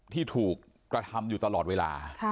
ที่ถูกกระทำอยู่ตลอดเวลา